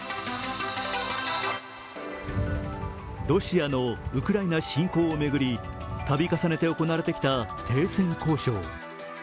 ロシアのウクライナ侵攻を巡り、たび重ねて行われてきた停戦交渉。